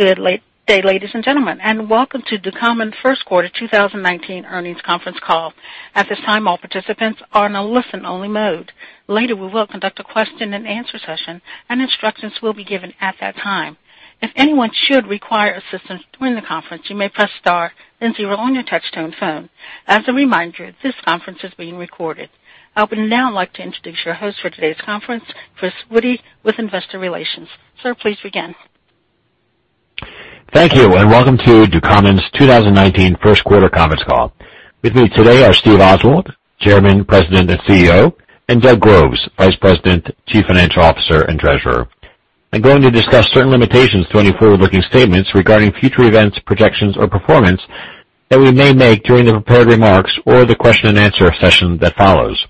Good day, ladies and gentlemen, welcome to Ducommun first quarter 2019 earnings conference call. At this time, all participants are in a listen-only mode. Later, we will conduct a question and answer session, instructions will be given at that time. If anyone should require assistance during the conference, you may press star then zero on your touch-tone phone. As a reminder, this conference is being recorded. I would now like to introduce your host for today's conference, Chris Witty, with investor relations. Sir, please begin. Thank you, welcome to Ducommun's 2019 first quarter conference call. With me today are Steve Oswald, chairman, president, and CEO, and Doug Groves, vice president, chief financial officer, and treasurer. I'm going to discuss certain limitations to any forward-looking statements regarding future events, projections, or performance that we may make during the prepared remarks or the question and answer session that follows.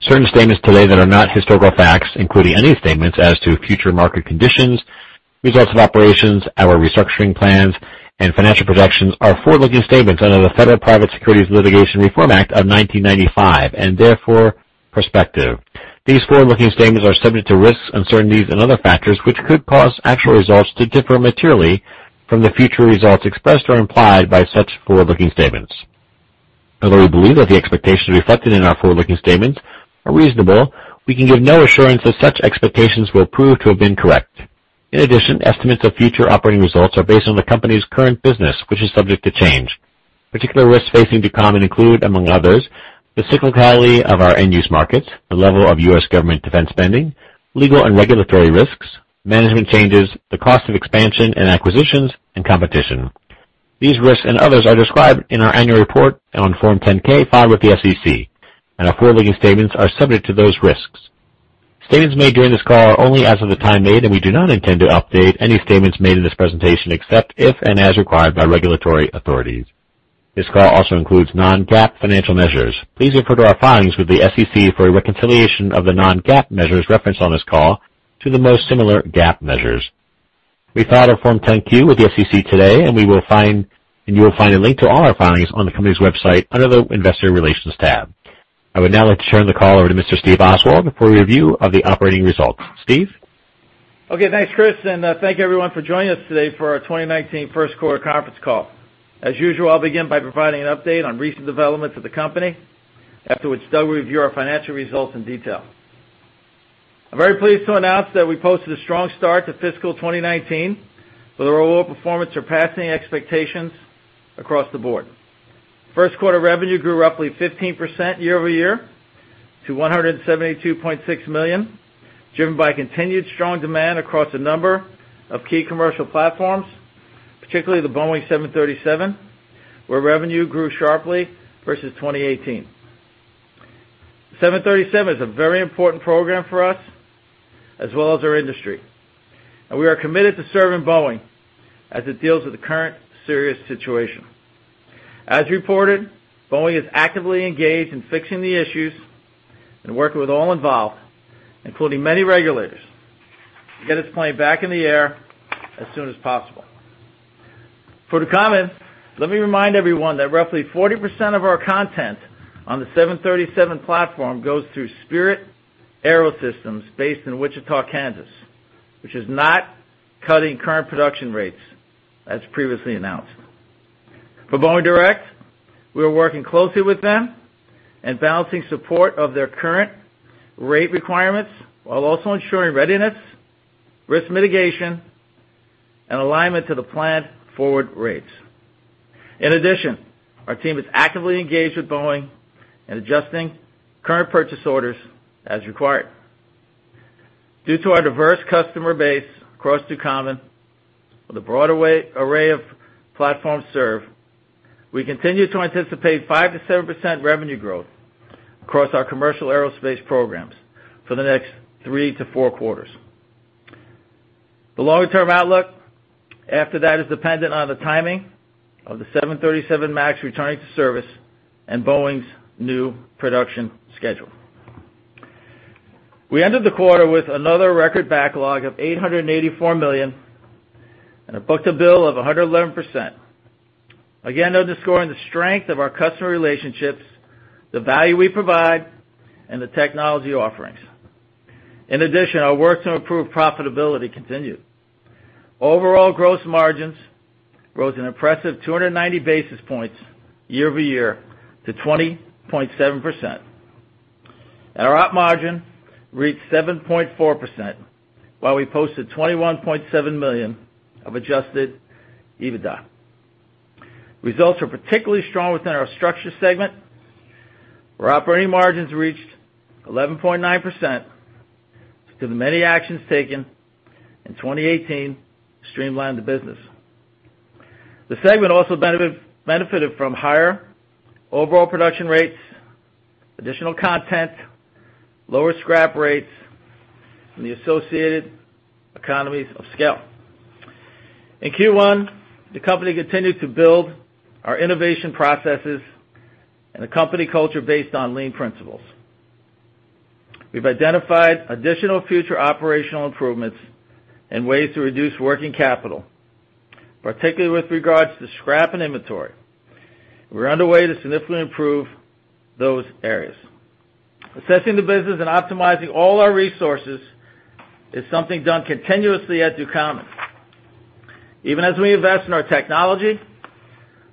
Certain statements today that are not historical facts, including any statements as to future market conditions, results of operations, our restructuring plans, and financial projections, are forward-looking statements under the Federal Private Securities Litigation Reform Act of 1995, therefore prospective. These forward-looking statements are subject to risks, uncertainties, and other factors which could cause actual results to differ materially from the future results expressed or implied by such forward-looking statements. Although we believe that the expectations reflected in our forward-looking statements are reasonable, we can give no assurance that such expectations will prove to have been correct. In addition, estimates of future operating results are based on the company's current business, which is subject to change. Particular risks facing Ducommun include, among others, the cyclicality of our end-use markets, the level of U.S. government defense spending, legal and regulatory risks, management changes, the cost of expansion and acquisitions, and competition. These risks and others are described in our annual report on Form 10-K filed with the SEC, our forward-looking statements are subject to those risks. Statements made during this call are only as of the time made, we do not intend to update any statements made in this presentation, except if and as required by regulatory authorities. This call also includes non-GAAP financial measures. Please refer to our filings with the SEC for a reconciliation of the non-GAAP measures referenced on this call to the most similar GAAP measures. We filed our Form 10-Q with the SEC today, you will find a link to all our filings on the company's website under the investor relations tab. I would now like to turn the call over to Mr. Steve Oswald for a review of the operating results. Steve? Okay, thanks, Chris, and thank you everyone for joining us today for our 2019 first quarter conference call. As usual, I'll begin by providing an update on recent developments with the company. Afterwards, Doug will review our financial results in detail. I'm very pleased to announce that we posted a strong start to fiscal 2019, with our overall performance surpassing expectations across the board. First quarter revenue grew roughly 15% year-over-year to $172.6 million, driven by continued strong demand across a number of key commercial platforms, particularly the Boeing 737, where revenue grew sharply versus 2018. The 737 is a very important program for us as well as our industry. We are committed to serving Boeing as it deals with the current serious situation. As reported, Boeing is actively engaged in fixing the issues and working with all involved, including many regulators, to get its plane back in the air as soon as possible. For Ducommun, let me remind everyone that roughly 40% of our content on the 737 platform goes through Spirit AeroSystems based in Wichita, Kansas, which is not cutting current production rates as previously announced. For Boeing direct, we are working closely with them and balancing support of their current rate requirements while also ensuring readiness, risk mitigation, and alignment to the planned forward rates. In addition, our team is actively engaged with Boeing in adjusting current purchase orders as required. Due to our diverse customer base across Ducommun, with a broad array of platforms served, we continue to anticipate 5%-7% revenue growth across our commercial aerospace programs for the next three to four quarters. The longer-term outlook after that is dependent on the timing of the 737 MAX returning to service and Boeing's new production schedule. We ended the quarter with another record backlog of $884 million and a book-to-bill of 111%, again underscoring the strength of our customer relationships, the value we provide, and the technology offerings. In addition, our work to improve profitability continued. Overall gross margins rose an impressive 290 basis points year-over-year to 20.7%. Our op margin reached 7.4%, while we posted $21.7 million of adjusted EBITDA. Results were particularly strong within our Structural Systems segment, where operating margins reached 11.9% due to the many actions taken in 2018 to streamline the business. The segment also benefited from higher overall production rates, additional content, lower scrap rates, and the associated economies of scale. In Q1, the company continued to build our innovation processes and a company culture based on lean principles. We've identified additional future operational improvements and ways to reduce working capital, particularly with regards to scrap and inventory. We're underway to significantly improve those areas. Assessing the business and optimizing all our resources is something done continuously at Ducommun. Even as we invest in our technology,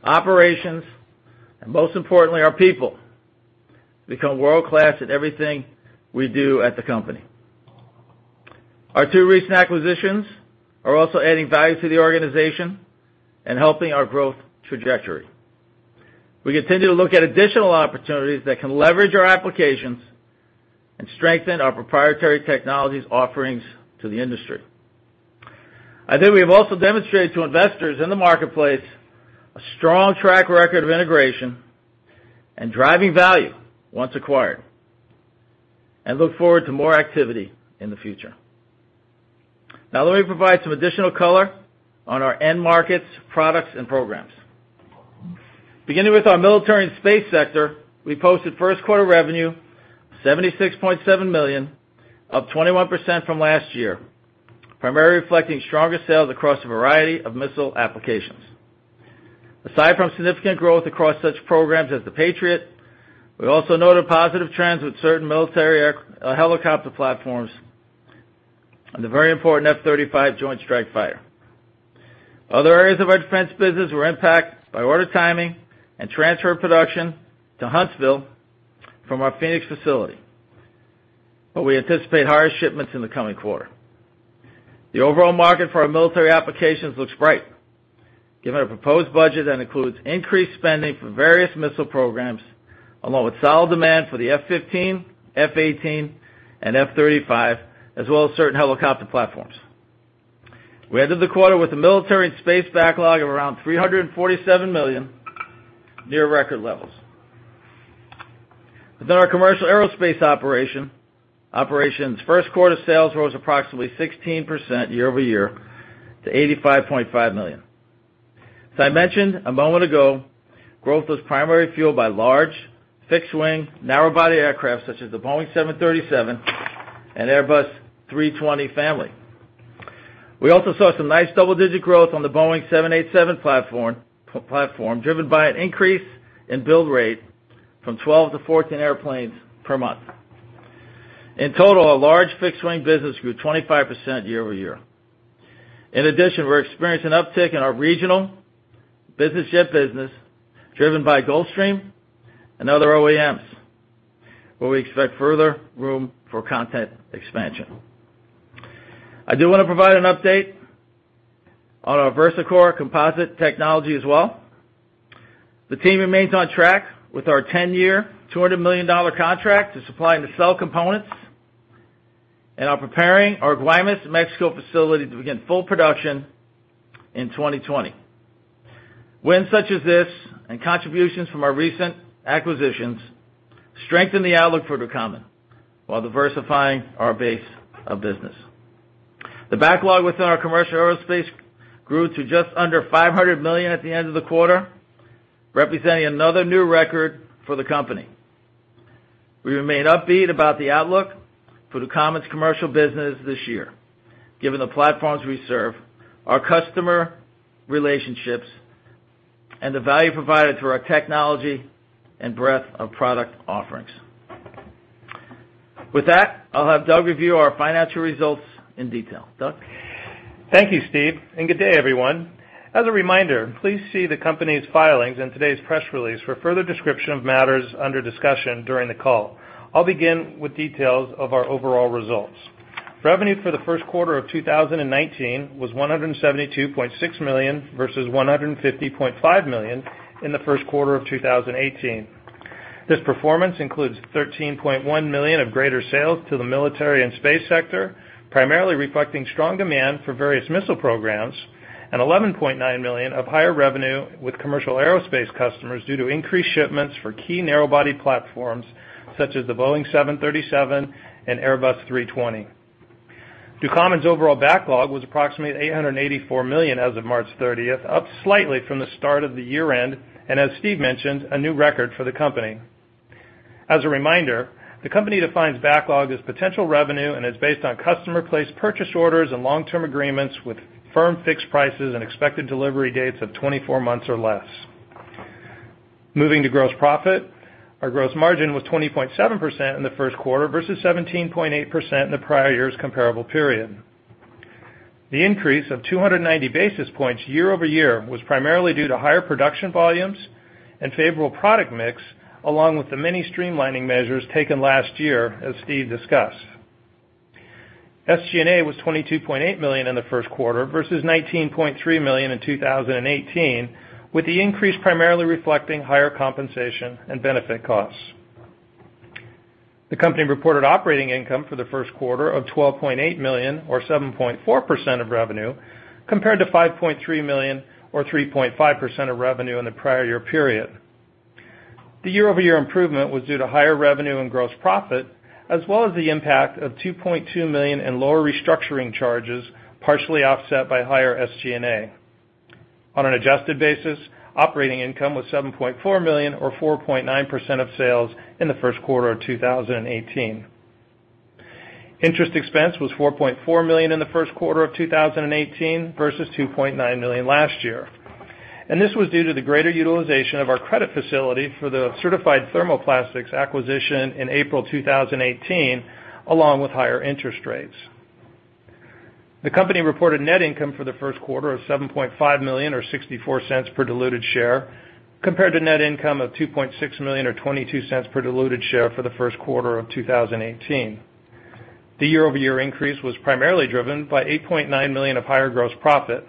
operations, and most importantly, our people, we become world-class at everything we do at the company. Our two recent acquisitions are also adding value to the organization and helping our growth trajectory. We continue to look at additional opportunities that can leverage our applications and strengthen our proprietary technologies offerings to the industry. I think we have also demonstrated to investors in the marketplace a strong track record of integration and driving value once acquired. Look forward to more activity in the future. Let me provide some additional color on our end markets, products, and programs. Beginning with our military and space sector, we posted first quarter revenue of $76.7 million, up 21% from last year, primarily reflecting stronger sales across a variety of missile applications. Aside from significant growth across such programs as the Patriot, we also noted positive trends with certain military helicopter platforms and the very important F-35 Joint Strike Fighter. Other areas of our defense business were impacted by order timing and transfer of production to Huntsville from our Phoenix facility. We anticipate higher shipments in the coming quarter. The overall market for our military applications looks bright, given a proposed budget that includes increased spending for various missile programs, along with solid demand for the F-15, F-18, and F-35, as well as certain helicopter platforms. We ended the quarter with the military and space backlog of around $347 million, near record levels. Within our commercial aerospace operations, first quarter sales rose approximately 16% year-over-year to $85.5 million. As I mentioned a moment ago, growth was primarily fueled by large, fixed-wing, narrow-body aircraft such as the Boeing 737 and Airbus A320 family. We also saw some nice double-digit growth on the Boeing 787 platform, driven by an increase in build rate from 12 to 14 airplanes per month. In total, our large fixed-wing business grew 25% year-over-year. In addition, we're experiencing an uptick in our regional business jet business, driven by Gulfstream and other OEMs, where we expect further room for content expansion. I do want to provide an update on our VersaCore composite technology as well. The team remains on track with our 10-year, $200 million contract to supply and to sell components, and are preparing our Guaymas, Mexico facility to begin full production in 2020. Wins such as this and contributions from our recent acquisitions strengthen the outlook for Ducommun while diversifying our base of business. The backlog within our commercial aerospace grew to just under $500 million at the end of the quarter, representing another new record for the company. We remain upbeat about the outlook for Ducommun's commercial business this year, given the platforms we serve, our customer relationships, and the value provided through our technology and breadth of product offerings. With that, I'll have Doug review our financial results in detail. Doug? Thank you, Steve, and good day, everyone. As a reminder, please see the company's filings in today's press release for further description of matters under discussion during the call. I'll begin with details of our overall results. Revenue for the first quarter of 2019 was $172.6 million, versus $150.5 million in the first quarter of 2018. This performance includes $13.1 million of greater sales to the military and space sector, primarily reflecting strong demand for various missile programs, and $11.9 million of higher revenue with commercial aerospace customers due to increased shipments for key narrow-body platforms such as the Boeing 737 and Airbus A320. Ducommun's overall backlog was approximately $884 million as of March 30th, up slightly from the start of the year-end, and as Steve mentioned, a new record for the company. As a reminder, the company defines backlog as potential revenue, and is based on customer placed purchase orders and long-term agreements with firm fixed prices and expected delivery dates of 24 months or less. Moving to gross profit, our gross margin was 20.7% in the first quarter versus 17.8% in the prior year's comparable period. The increase of 290 basis points year-over-year was primarily due to higher production volumes and favorable product mix, along with the many streamlining measures taken last year, as Steve discussed. SG&A was $22.8 million in the first quarter versus $19.3 million in 2018, with the increase primarily reflecting higher compensation and benefit costs. The company reported operating income for the first quarter of $12.8 million, or 7.4% of revenue, compared to $5.3 million, or 3.5% of revenue, in the prior year period. The year-over-year improvement was due to higher revenue and gross profit, as well as the impact of $2.2 million in lower restructuring charges, partially offset by higher SG&A. On an adjusted basis, operating income was $7.4 million, or 4.9% of sales, in the first quarter of 2018. Interest expense was $4.4 million in the first quarter of 2018 versus $2.9 million last year. This was due to the greater utilization of our credit facility for the Certified Thermoplastics acquisition in April 2018, along with higher interest rates. The company reported net income for the first quarter of $7.5 million, or $0.64 per diluted share, compared to net income of $2.6 million or $0.22 per diluted share for the first quarter of 2018. The year-over-year increase was primarily driven by $8.9 million of higher gross profit.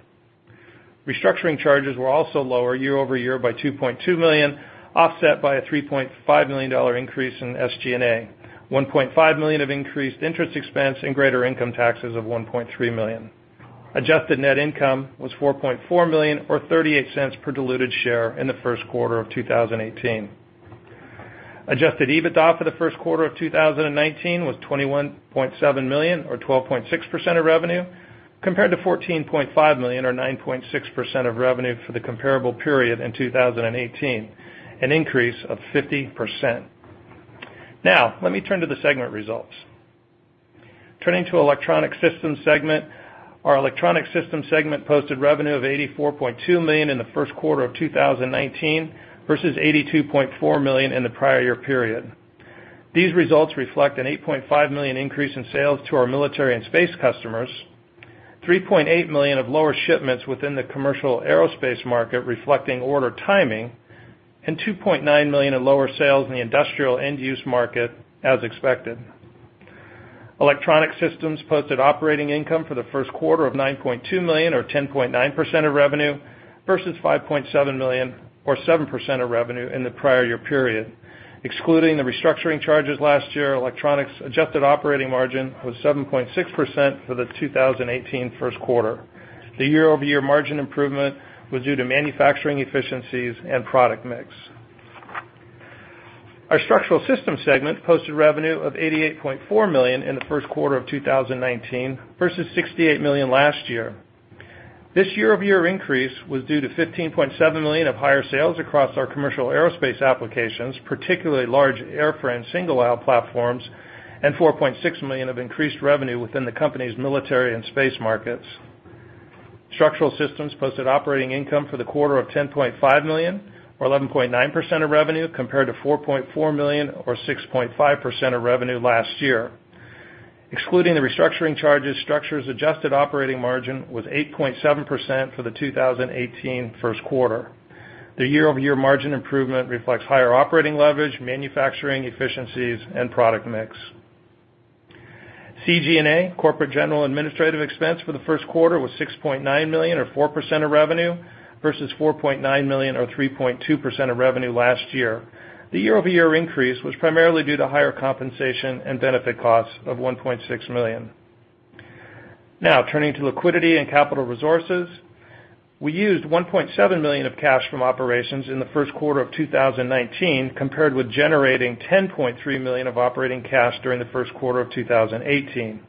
Restructuring charges were also lower year-over-year by $2.2 million, offset by a $3.5 million increase in SG&A, $1.5 million of increased interest expense, and greater income taxes of $1.3 million. Adjusted net income was $4.4 million or $0.38 per diluted share in the first quarter of 2018. Adjusted EBITDA for the first quarter of 2019 was $21.7 million or 12.6% of revenue, compared to $14.5 million or 9.6% of revenue for the comparable period in 2018, an increase of 50%. Now, let me turn to the segment results. Turning to Electronic Systems segment. Our Electronic Systems segment posted revenue of $84.2 million in the first quarter of 2019 versus $82.4 million in the prior year period. These results reflect an $8.5 million increase in sales to our military and space customers, $3.8 million of lower shipments within the commercial aerospace market, reflecting order timing, and $2.9 million in lower sales in the industrial end use market as expected. Electronic Systems posted operating income for the first quarter of $9.2 million or 10.9% of revenue, versus $5.7 million or 7% of revenue in the prior year period. Excluding the restructuring charges last year, Electronic Systems adjusted operating margin was 7.6% for the 2018 first quarter. The year-over-year margin improvement was due to manufacturing efficiencies and product mix. Our Structural Systems segment posted revenue of $88.4 million in the first quarter of 2019 versus $68 million last year. This year-over-year increase was due to $15.7 million of higher sales across our commercial aerospace applications, particularly large airframe single aisle platforms, and $4.6 million of increased revenue within the company's military and space markets. Structural Systems posted operating income for the quarter of $10.5 million or 11.9% of revenue, compared to $4.4 million or 6.5% of revenue last year. Excluding the restructuring charges, Structures adjusted operating margin was 8.7% for the 2018 first quarter. The year-over-year margin improvement reflects higher operating leverage, manufacturing efficiencies, and product mix. CG&A, Corporate General Administrative expense for the first quarter was $6.9 million or 4% of revenue versus $4.9 million or 3.2% of revenue last year. The year-over-year increase was primarily due to higher compensation and benefit costs of $1.6 million. Turning to liquidity and capital resources. We used $1.7 million of cash from operations in the first quarter of 2019, compared with generating $10.3 million of operating cash during the first quarter of 2018.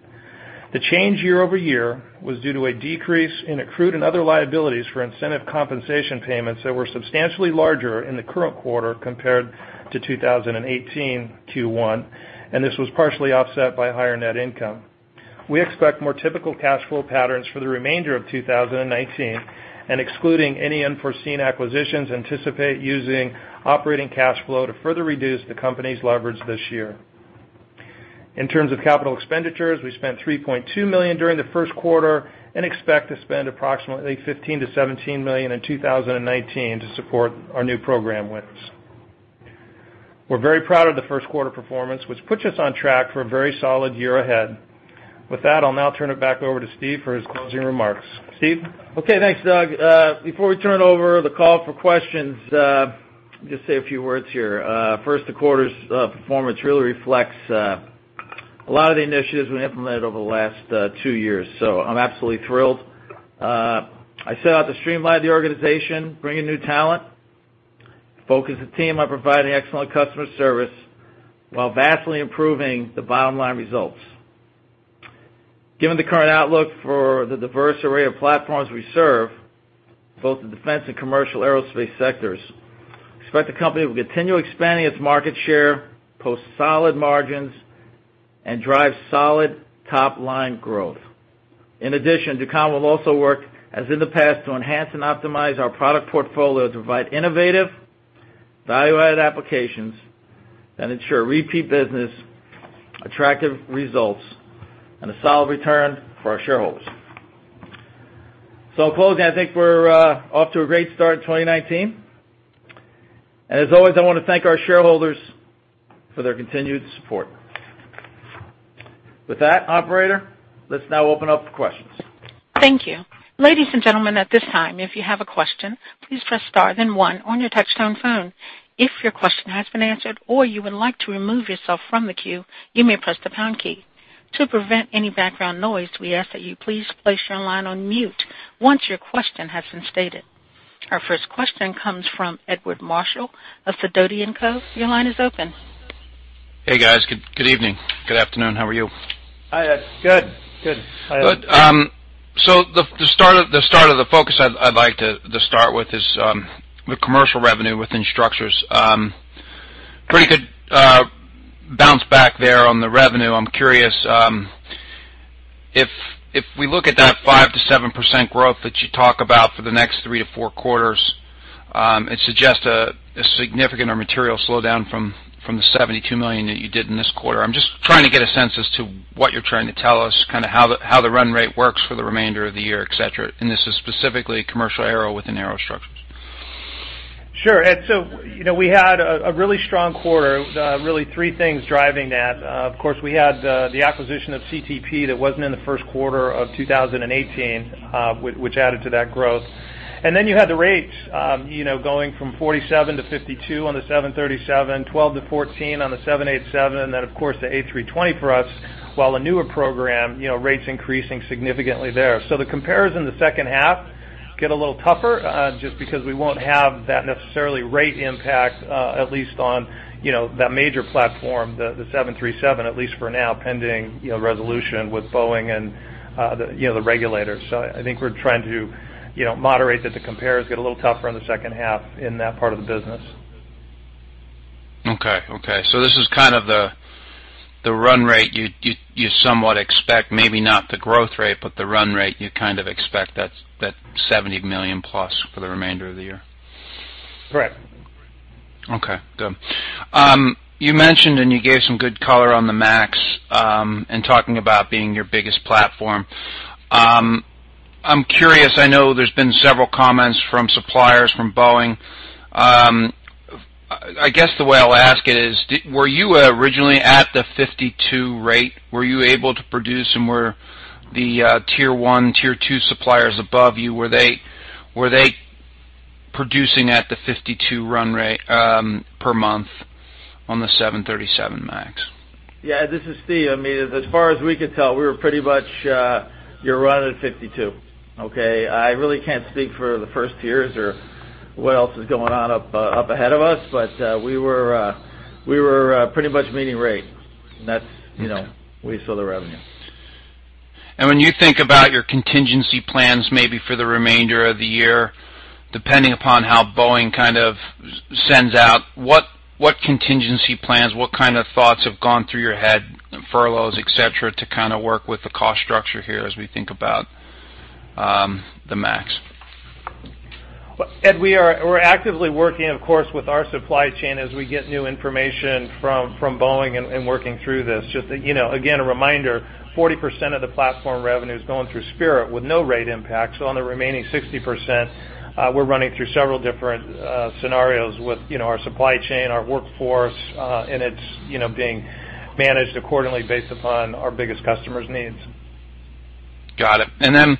The change year-over-year was due to a decrease in accrued and other liabilities for incentive compensation payments that were substantially larger in the current quarter compared to 2018 Q1, and this was partially offset by higher net income. We expect more typical cash flow patterns for the remainder of 2019 and excluding any unforeseen acquisitions, anticipate using operating cash flow to further reduce the company's leverage this year. In terms of capital expenditures, we spent $3.2 million during the first quarter and expect to spend approximately $15 million-$17 million in 2019 to support our new program wins. We're very proud of the first quarter performance, which puts us on track for a very solid year ahead. With that, I'll turn it back over to Steve for his closing remarks. Steve? Thanks, Doug. Before we turn over the call for questions, let me just say a few words here. First, the quarter's performance really reflects a lot of the initiatives we implemented over the last two years. I'm absolutely thrilled. I set out to streamline the organization, bring in new talent, focus the team on providing excellent customer service while vastly improving the bottom line results. Given the current outlook for the diverse array of platforms we serve, both the defense and commercial aerospace sectors, expect the company will continue expanding its market share, post solid margins, and drive solid top-line growth. In addition, Ducommun will also work, as in the past, to enhance and optimize our product portfolio to provide innovative value-added applications that ensure repeat business, attractive results, and a solid return for our shareholders. In closing, I think we're off to a great start in 2019. As always, I want to thank our shareholders for their continued support. With that, Operator, let's now open up for questions. Thank you. Ladies and gentlemen, at this time, if you have a question, please press star then one on your touchtone phone. If your question has been answered or you would like to remove yourself from the queue, you may press the pound key. To prevent any background noise, we ask that you please place your line on mute once your question has been stated. Our first question comes from Edward Marshall of Sidoti & Co. Your line is open. Hey, guys. Good evening. Good afternoon. How are you? Hi, Ed. Good. Good. The start of the focus I'd like to start with is the commercial revenue within Structures. Pretty good bounce back there on the revenue. I'm curious, if we look at that 5%-7% growth that you talk about for the next 3-4 quarters, it suggests a significant or material slowdown from the $72 million that you did in this quarter. I'm just trying to get a sense as to what you're trying to tell us, how the run rate works for the remainder of the year, et cetera. This is specifically commercial aero within aero structures. Sure. Ed, we had a really strong quarter, really three things driving that. Of course, we had the acquisition of CTP that wasn't in the first quarter of 2018, which added to that growth. Then you had the rates, going from 47-52 on the 737, 12-14 on the 787, then, of course, the A320 for us, while a newer program, rates increasing significantly there. The comparison in the second half get a little tougher, just because we won't have that necessarily rate impact, at least on that major platform, the 737, at least for now, pending resolution with Boeing and the regulators. I think we're trying to moderate that the compares get a little tougher in the second half in that part of the business. Okay. This is kind of the run rate you somewhat expect, maybe not the growth rate, but the run rate you kind of expect that $70 million plus for the remainder of the year. Correct. Okay, good. You mentioned and you gave some good color on the MAX, and talking about being your biggest platform. I'm curious, I know there's been several comments from suppliers, from Boeing. I guess the way I'll ask it is, were you originally at the 52 rate? Were you able to produce and were the tier 1, tier 2 suppliers above you, were they producing at the 52 run rate per month on the 737 MAX? Yeah, this is Steve. As far as we could tell, we were pretty much, you're running at 52. Okay. I really can't speak for the 1st tiers or what else is going on up ahead of us. We were pretty much meeting rate. That's- Okay we saw the revenue. When you think about your contingency plans maybe for the remainder of the year, depending upon how Boeing kind of sends out, what contingency plans, what kind of thoughts have gone through your head, furloughs, et cetera, to kind of work with the cost structure here as we think about the MAX? Ed, we're actively working, of course, with our supply chain as we get new information from Boeing and working through this. Just again, a reminder, 40% of the platform revenue is going through Spirit with no rate impact. On the remaining 60%, we're running through several different scenarios with our supply chain, our workforce, and it's being managed accordingly based upon our biggest customers' needs. Got it.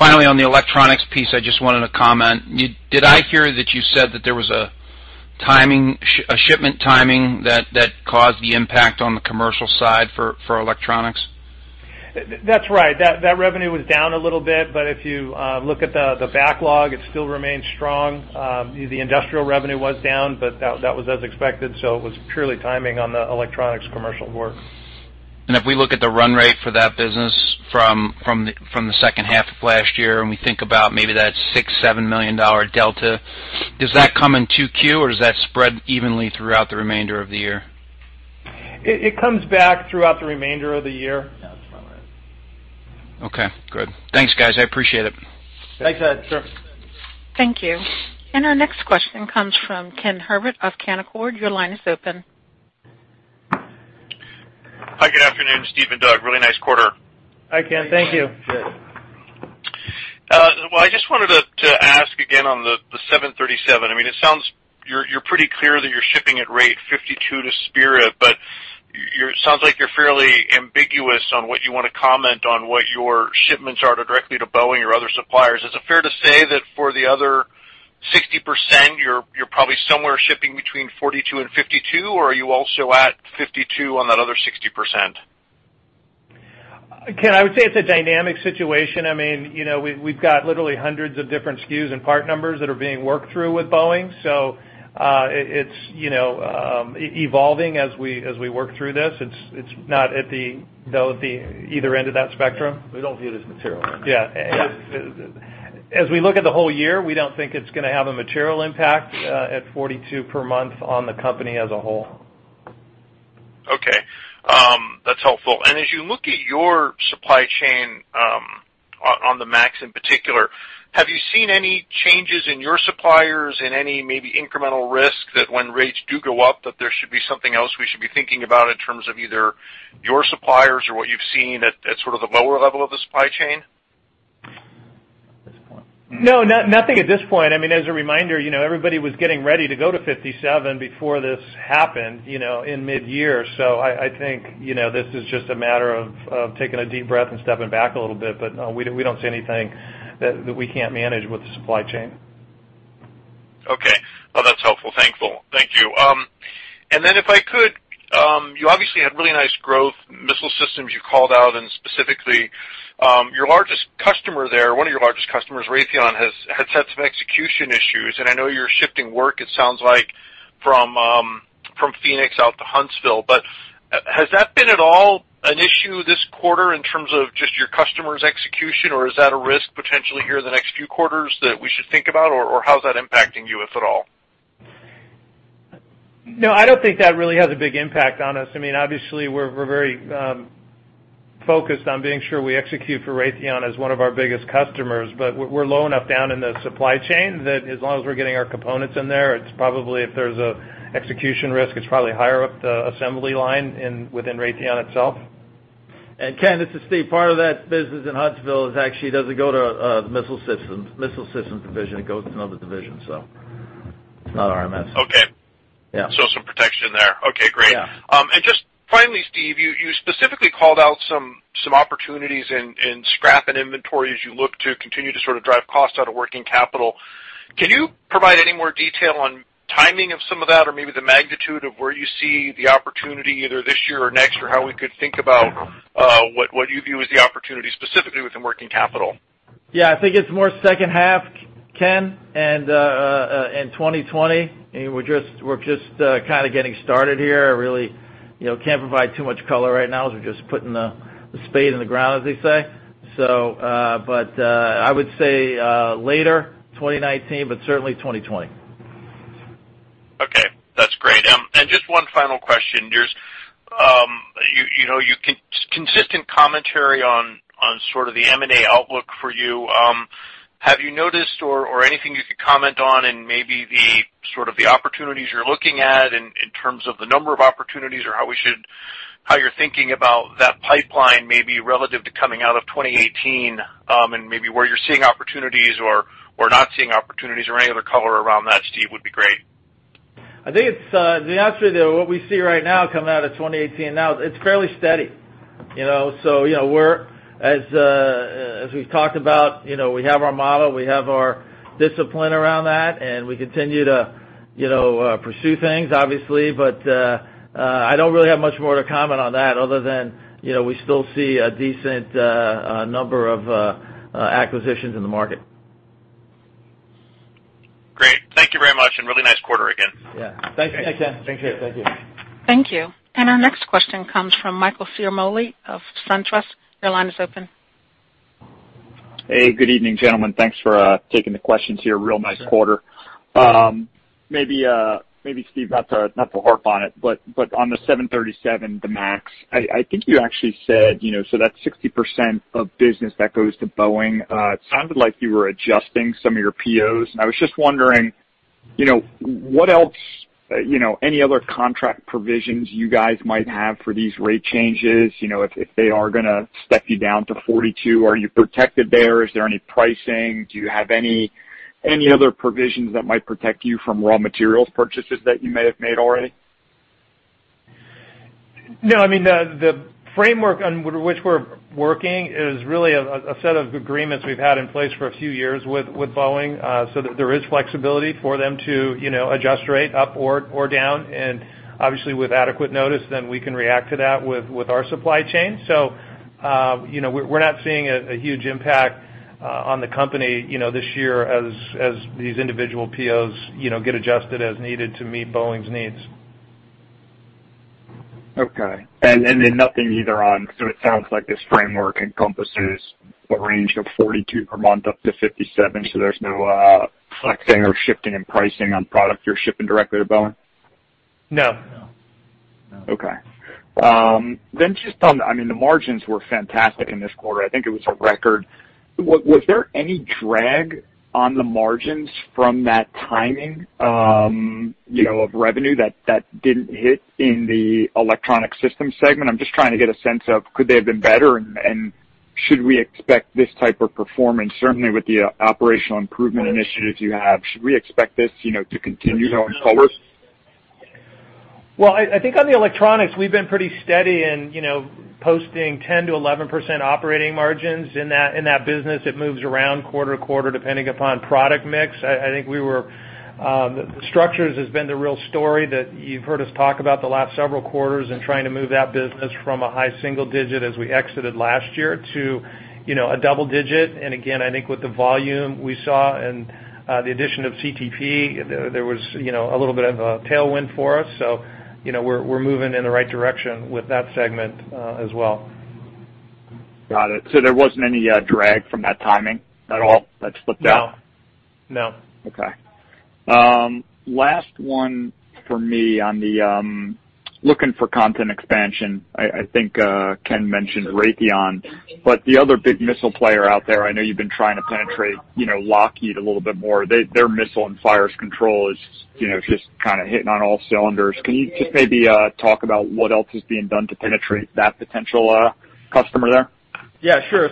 Finally, on the electronics piece, I just wanted to comment. Did I hear that you said that there was a shipment timing that caused the impact on the commercial side for electronics? That's right. That revenue was down a little bit, but if you look at the backlog, it still remains strong. The industrial revenue was down, but that was as expected, so it was purely timing on the electronics commercial work. If we look at the run rate for that business from the second half of last year, and we think about maybe that $6 million-$7 million delta, does that come in 2Q or does that spread evenly throughout the remainder of the year? It comes back throughout the remainder of the year. Yeah, that's about right. Okay, good. Thanks, guys. I appreciate it. Thanks, Ed. Sure. Thank you. Our next question comes from Ken Herbert of Canaccord. Your line is open. Hi, good afternoon, Steve and Doug. Really nice quarter. Hi, Ken. Thank you. Good. I just wanted to ask again on the 737. It sounds you're pretty clear that you're shipping at rate 52 to Spirit. But it sounds like you're fairly ambiguous on what you want to comment on what your shipments are directly to Boeing or other suppliers. Is it fair to say that for the other 60%, you're probably somewhere shipping between 42 and 52, or are you also at 52 on that other 60%? Ken, I would say it's a dynamic situation. We've got literally hundreds of different SKUs and part numbers that are being worked through with Boeing, so it's evolving as we work through this. It's not at the either end of that spectrum. We don't view it as material. Yeah. Yeah. We look at the whole year, we don't think it's going to have a material impact at 42 per month on the company as a whole. Okay. That's helpful. As you look at your supply chain, on the Max in particular, have you seen any changes in your suppliers and any maybe incremental risk that when rates do go up, that there should be something else we should be thinking about in terms of either your suppliers or what you've seen at sort of the lower level of the supply chain? At this point. No, nothing at this point. As a reminder, everybody was getting ready to go to 57 before this happened in mid-year. I think this is just a matter of taking a deep breath and stepping back a little bit. No, we don't see anything that we can't manage with the supply chain. Okay. Well, that's helpful. Thank you. If I could, you obviously had really nice growth, Missile Systems you called out, specifically, your largest customer there, one of your largest customers, Raytheon, has had some execution issues, and I know you're shifting work, it sounds like, from Phoenix out to Huntsville. Has that been at all an issue this quarter in terms of just your customers' execution, or is that a risk potentially here in the next few quarters that we should think about? How's that impacting you, if at all? No, I don't think that really has a big impact on us. Obviously, we're very focused on being sure we execute for Raytheon as one of our biggest customers. We're low enough down in the supply chain that as long as we're getting our components in there, if there's an execution risk, it's probably higher up the assembly line within Raytheon itself. Ken, this is Steve. Part of that business in Huntsville actually doesn't go to the Missile Systems, missile systems division. It goes to another division. It's not RMS. Okay. Yeah. Some protection there. Okay, great. Yeah. Just finally, Steve, you specifically called out some opportunities in scrap and inventory as you look to continue to drive cost out of working capital. Can you provide any more detail on timing of some of that, or maybe the magnitude of where you see the opportunity, either this year or next, or how we could think about what you view as the opportunity, specifically within working capital? Yeah, I think it's more second half, Ken, and 2020. We're just kind of getting started here. I really can't provide too much color right now as we're just putting the spade in the ground, as they say. I would say later 2019, but certainly 2020. Okay, that's great. Just one final question. There's consistent commentary on sort of the M&A outlook for you. Have you noticed or anything you could comment on in maybe the sort of the opportunities you're looking at in terms of the number of opportunities or how you're thinking about that pipeline, maybe relative to coming out of 2018, and maybe where you're seeing opportunities or not seeing opportunities or any other color around that, Steve, would be great. I think the answer to what we see right now coming out of 2018 now, it's fairly steady. As we've talked about, we have our model, we have our discipline around that, and we continue to pursue things, obviously. I don't really have much more to comment on that other than we still see a decent number of acquisitions in the market. Great. Thank you very much, and really nice quarter again. Yeah. Thanks, Ken. Thank you. Thank you. Thank you. Our next question comes from Michael Ciarmoli of SunTrust. Your line is open. Hey, good evening, gentlemen. Thanks for taking the questions here. Real nice quarter. Maybe, Steve, not to harp on it, but on the 737 MAX, I think you actually said, so that's 60% of business that goes to Boeing. It sounded like you were adjusting some of your POs, and I was just wondering, any other contract provisions you guys might have for these rate changes, if they are gonna spec you down to 42, are you protected there? Is there any pricing? Do you have any other provisions that might protect you from raw materials purchases that you may have made already? No, the framework on which we're working is really a set of agreements we've had in place for a few years with Boeing, so that there is flexibility for them to adjust rate up or down. Obviously with adequate notice, then we can react to that with our supply chain. We're not seeing a huge impact on the company this year as these individual POs get adjusted as needed to meet Boeing's needs. Okay. Nothing either on, so it sounds like this framework encompasses a range of 42 per month up to 57, so there's no flexing or shifting in pricing on product you're shipping directly to Boeing? No. No. Okay. Just on, the margins were fantastic in this quarter. I think it was a record. Was there any drag on the margins from that timing of revenue that didn't hit in the Electronic Systems segment? I'm just trying to get a sense of could they have been better, and should we expect this type of performance, certainly with the operational improvement initiatives you have, should we expect this to continue going forward? Well, I think on the Electronic Systems, we've been pretty steady in posting 10%-11% operating margins in that business. It moves around quarter to quarter, depending upon product mix. I think Structural Systems has been the real story that you've heard us talk about the last several quarters and trying to move that business from a high single digit as we exited last year to a double digit. Again, I think with the volume we saw and the addition of CTP, there was a little bit of a tailwind for us. We're moving in the right direction with that segment as well. Got it. There wasn't any drag from that timing at all that slipped out? No. Okay. Last one for me on the looking for content expansion. I think Ken mentioned Raytheon, the other big missile player out there, I know you've been trying to penetrate Lockheed a little bit more. Their missile and fires control is just kind of hitting on all cylinders. Can you just maybe talk about what else is being done to penetrate that potential customer there? Yeah, sure.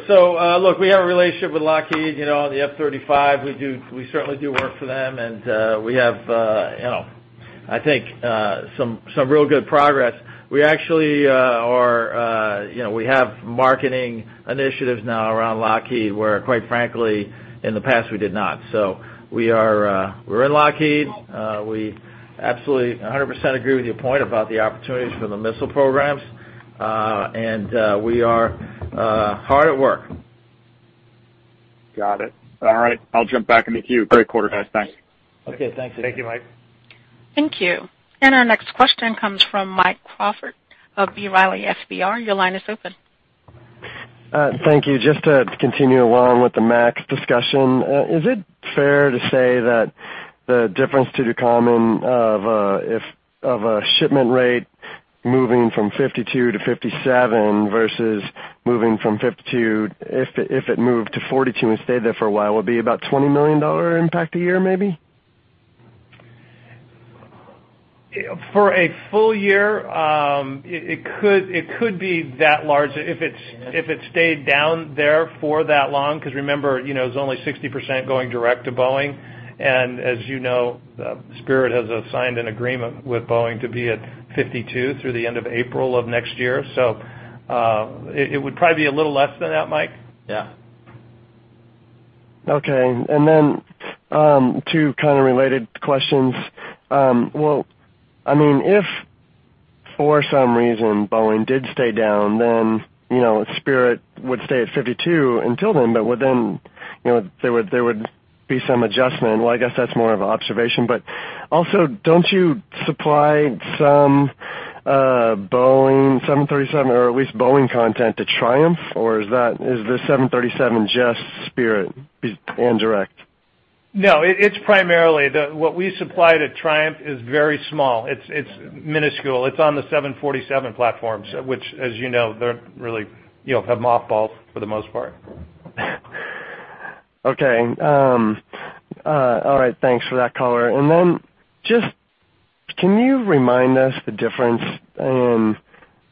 Look, we have a relationship with Lockheed on the F-35. We certainly do work for them and we have I think some real good progress. We have marketing initiatives now around Lockheed where, quite frankly, in the past, we did not. We're in Lockheed. We absolutely 100% agree with your point about the opportunities for the missile programs. We are hard at work Got it. All right, I'll jump back in the queue. Great quarter, guys. Thanks. Okay, thanks. Thank you, Mike. Thank you. Our next question comes from Mike Crawford of B. Riley FBR. Your line is open. Thank you. Just to continue along with the MAX discussion, is it fair to say that the difference to Ducommun of a shipment rate moving from 52 to 57 versus moving from 52, if it moved to 42 and stayed there for a while, would be about $20 million impact a year, maybe? For a full year, it could be that large if it stayed down there for that long, because remember, it's only 60% going direct to Boeing, and as you know, Spirit has signed an agreement with Boeing to be at 52 through the end of April of next year. It would probably be a little less than that, Mike. Yeah. Okay. Two kind of related questions. If for some reason Boeing did stay down, then Spirit would stay at 52 until then, there would be some adjustment. I guess that's more of an observation, don't you supply some Boeing 737 or at least Boeing content to Triumph, or is the 737 just Spirit and direct? No, what we supply to Triumph is very small. It's minuscule. It's on the 747 platforms, which, as you know, have mothballs for the most part. Okay. All right. Thanks for that color. Can you remind us the difference in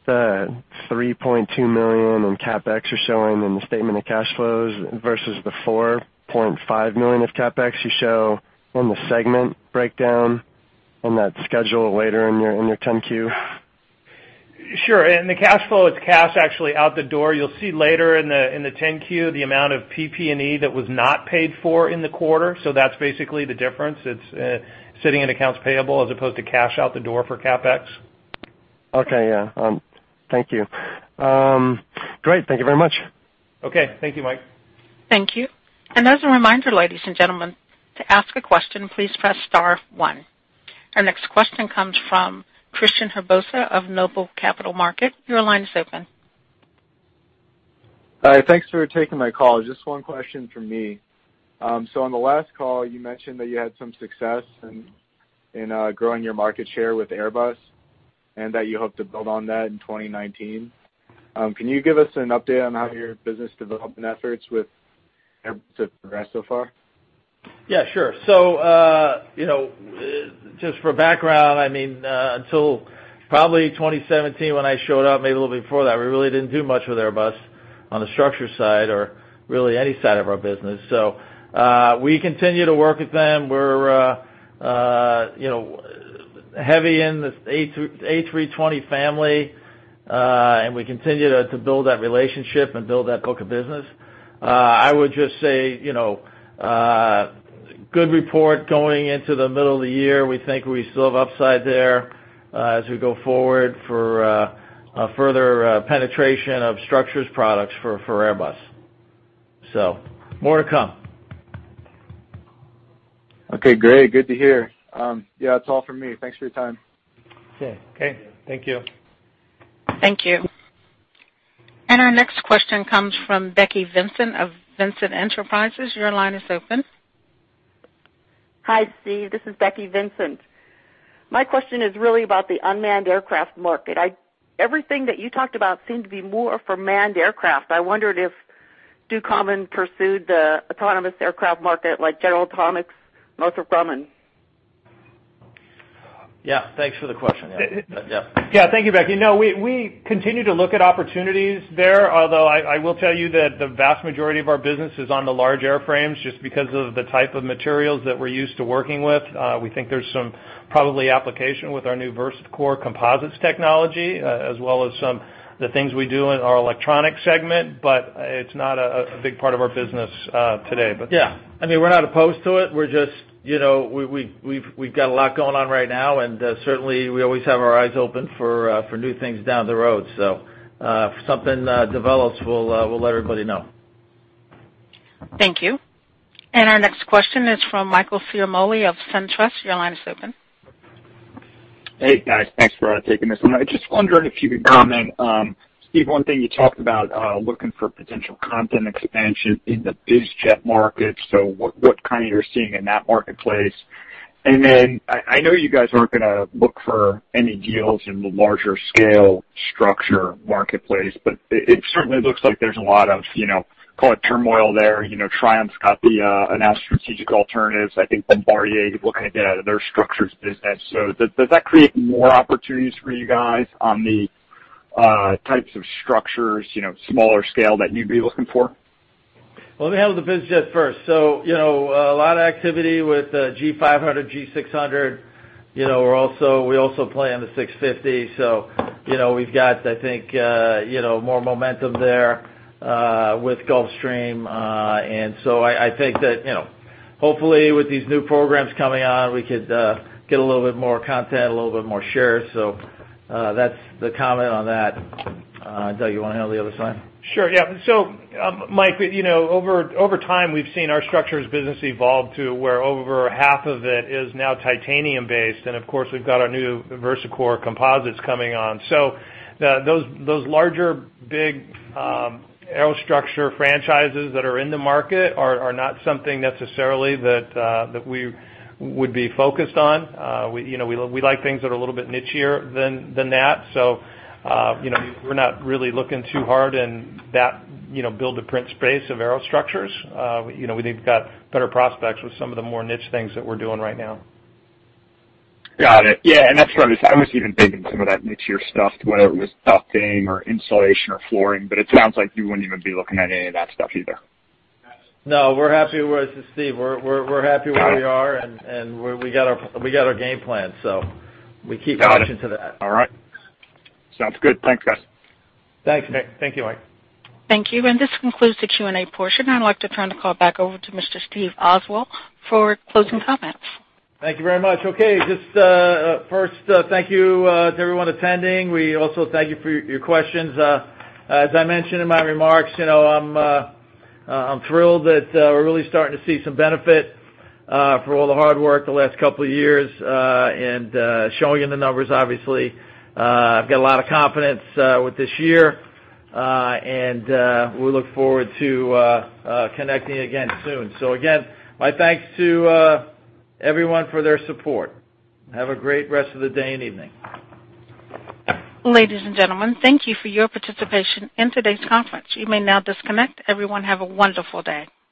the $3.2 million in CapEx you're showing in the statement of cash flows versus the $4.5 million of CapEx you show on the segment breakdown on that schedule later in your 10-Q? Sure. In the cash flow, it's cash actually out the door. You'll see later in the 10-Q the amount of PP&E that was not paid for in the quarter. That's basically the difference. It's sitting in accounts payable as opposed to cash out the door for CapEx. Okay, yeah. Thank you. Great, thank you very much. Okay, thank you, Mike. Thank you. As a reminder, ladies and gentlemen, to ask a question, please press *1. Our next question comes from Christian Herbosa of Noble Capital Markets. Your line is open. Hi, thanks for taking my call. Just one question from me. On the last call, you mentioned that you had some success in growing your market share with Airbus and that you hope to build on that in 2019. Can you give us an update on how your business development efforts with Airbus have progressed so far? Yeah, sure. Just for background, until probably 2017 when I showed up, maybe a little bit before that, we really didn't do much with Airbus on the structures side or really any side of our business. We continue to work with them. We're heavy in the A320 family, and we continue to build that relationship and build that book of business. I would just say, good report going into the middle of the year. We think we still have upside there, as we go forward for further penetration of structures products for Airbus. More to come. Okay, great. Good to hear. Yeah, that's all from me. Thanks for your time. Okay. Thank you. Thank you. Our next question comes from Becky Vincent of Vincent Enterprises. Your line is open. Hi, Steve. This is Becky Vincent. My question is really about the unmanned aircraft market. Everything that you talked about seemed to be more for manned aircraft. I wondered if Ducommun pursued the autonomous aircraft market like General Atomics, Northrop Grumman. Yeah, thanks for the question. Yeah. Yeah, thank you, Becky. No, we continue to look at opportunities there. I will tell you that the vast majority of our business is on the large airframes just because of the type of materials that we're used to working with. We think there's some probably application with our new VersaCore composites technology, as well as some of the things we do in our Electronic Systems, it's not a big part of our business today. Yeah. We're not opposed to it. We've got a lot going on right now. Certainly we always have our eyes open for new things down the road. If something develops, we'll let everybody know. Thank you. Our next question is from Michael Ciarmoli of SunTrust. Your line is open. Hey, guys. Thanks for taking this one. I just wondered if you could comment, Steve, one thing you talked about, looking for potential content expansion in the biz jet market, what you're seeing in that marketplace. Then, I know you guys aren't going to look for any deals in the larger scale structure marketplace, but it certainly looks like there's a lot of, call it turmoil there. Triumph's got the announced strategic alternatives. I think Bombardier is looking to get out of their structures business. Does that create more opportunities for you guys on the types of structures, smaller scale that you'd be looking for? Let me handle the biz jet first. A lot of activity with G500, G600. We also play on the G650. We've got, I think, more momentum there, with Gulfstream. I think that hopefully with these new programs coming on, we could get a little bit more content, a little bit more shares. That's the comment on that. Doug, you want to handle the other side? Sure, yeah. Mike, over time, we've seen our structures business evolve to where over half of it is now titanium-based, and of course, we've got our new VersaCore composites coming on. Those larger, big aerostructure franchises that are in the market are not something necessarily that we would be focused on. We like things that are a little bit nichier than that. We're not really looking too hard in that build-to-print space of aerostructures. We think we've got better prospects with some of the more niche things that we're doing right now. Got it. Yeah, and that's what I was even thinking, some of that nichier stuff, whether it was ducting or insulation or flooring, but it sounds like you wouldn't even be looking at any of that stuff either. No, this is Steve. We're happy where we are, and we got our game plan, so we keep watching to that. All right. Sounds good. Thanks, guys. Thanks, Mike. Thank you, Mike. Thank you. This concludes the Q&A portion. I'd like to turn the call back over to Mr. Steve Oswald for closing comments. Thank you very much. Okay. First, thank you to everyone attending. We also thank you for your questions. As I mentioned in my remarks, I'm thrilled that we're really starting to see some benefit for all the hard work the last couple of years, showing you the numbers, obviously. I've got a lot of confidence with this year, we look forward to connecting again soon. Again, my thanks to everyone for their support. Have a great rest of the day and evening. Ladies and gentlemen, thank you for your participation in today's conference. You may now disconnect. Everyone, have a wonderful day.